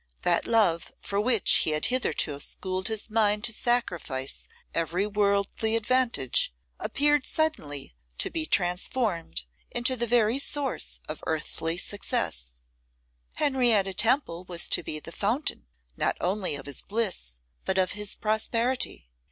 That love for which he had hitherto schooled his mind to sacrifice every worldly advantage appeared suddenly to be transformed into the very source of earthly success. Henrietta Temple was to be the fountain, not only of his bliss, but of his prosperity.